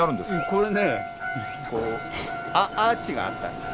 これねこうアーチがあったんです。